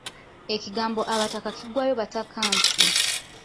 Ekigambo abataka kiggwaayo batakansi.